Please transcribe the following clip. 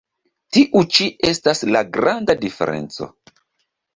Tiu ĉi estas la granda diferenco.